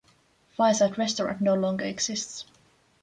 Fireside Restaurant no longer exists.